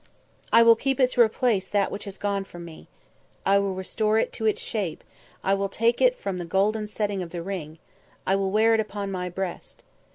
"I will keep it to replace that which has gone from me. I will restore it to its shape, I will take from it the golden setting of the ring. I will wear it upon my breast."